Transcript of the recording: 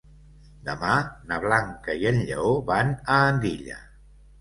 Demà na Blanca i en Lleó van a Andilla.